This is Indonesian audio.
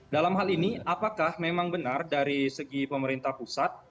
dalam hal ini apakah memang benar dari segi pemerintah pusat